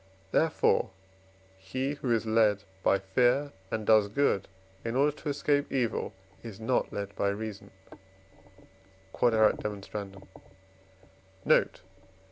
therefore, he who is led by fear, and does good in order to escape evil, is not led by reason. Note.